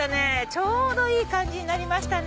ちょうどいい感じになりましたね。